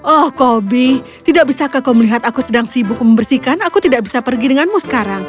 oh kobi tidak bisakah kau melihat aku sedang sibuk membersihkan aku tidak bisa pergi denganmu sekarang